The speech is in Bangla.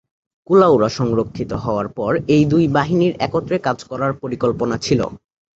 কুলাউড়া সুরক্ষিত হওয়ার পর এই দুই বাহিনীর একত্রে কাজ করার পরিকল্পনা ছিল।